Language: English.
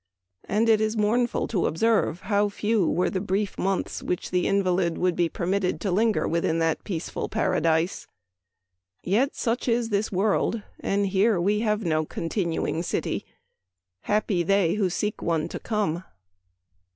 And it is mournful to observe how few were the brief months which the invalid would be permitted to linger within that peaceful paradise. Yet such is this world, and here we have no continuing city. Happy they who seek one to come